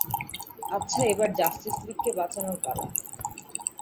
আচ্ছা, এবার জাস্টিস লীগকে বাঁচানোর পালা।